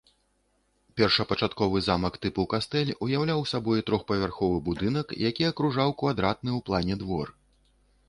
Першапачатковы замак тыпу кастэль уяўляў сабой трохпавярховы будынак, які акружаў квадратны ў плане двор.